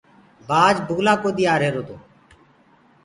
بآج بُگلآ ڪودي آرهيرو تو۔